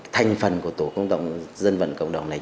thành phần của tổ dân vận cộng đồng này